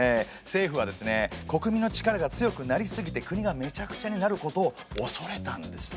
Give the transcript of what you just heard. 政府は国民の力が強くなりすぎて国がめちゃくちゃになることをおそれたんですね。